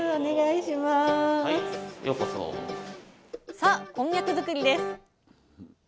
さあこんにゃく作りです！